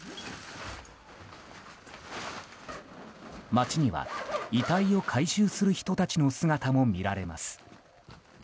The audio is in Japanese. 町には、遺体を回収する人たちの姿も見られます。